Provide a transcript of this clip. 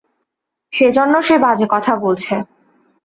সেজন্য সে বাজে কথা বলছে।